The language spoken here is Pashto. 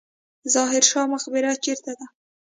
ظاهر شاه مقبره چیرته ده؟